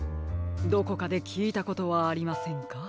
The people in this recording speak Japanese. どこかできいたことはありませんか？